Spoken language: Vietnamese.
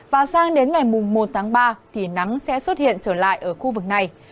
và sang đến ngày một tháng ba thì nắng sẽ xuất hiện trở lại ở khu vực này